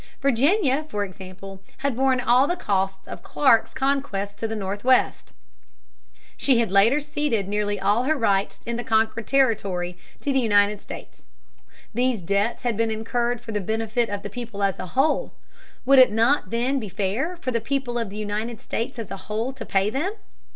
Virginia, for example, had borne all the cost of Clark's conquest of the Northwest (p. 116). She had later ceded nearly all her rights in the conquered territory to the United States (p. 135). These debts had been incurred for the benefit of the people as a whole. Would it not then be fair for the people of the United States as a whole to pay them?